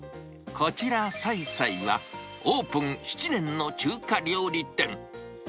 こちら、彩彩はオープン７年の中華料理店。